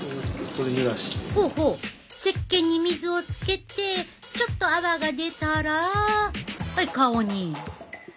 ほうほうせっけんに水をつけてちょっと泡が出たら顔に。